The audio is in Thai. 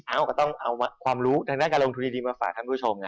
อ้าวต้องเอาความรู้ดังนั้นการลงทุนดีมาฝากทุกผู้ชมนะ